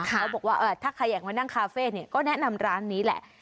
เขาบอกว่าถ้าใครอยากมานั่งคาเฟ่ก็แนะนำร้านนี้แหละ